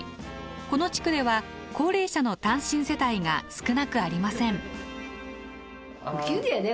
この地区では高齢者の単身世帯が少なくありません。